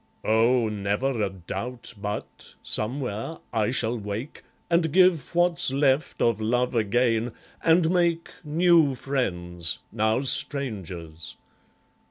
Oh, never a doubt but, somewhere, I shall wake, And give what's left of love again, and make New friends, now strangers.